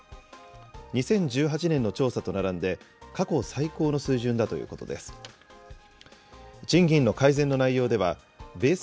２０１８年の調査と並んで、過去最高の水準だということです。